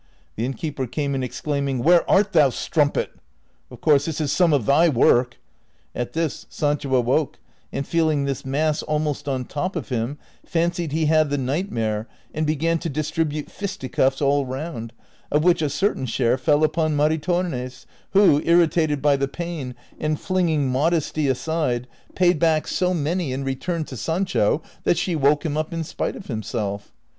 The innkeeper came in exclaiming, " Where art thou, strum pet ? Of course this is some of thy work." At this Sancho awoke, and feeling this mass almost on top of him fancied he had the nightmare and began to distribute fisticuffs all round, of which a certain share fell upon Maritornes, who, irritated by the pain and flinging modesty aside, paid back so many in ' We were told just before that Sancho was unable to sleep. 108 DON QUIXOTE. return to Sanelio that she woke him up in spite of himself.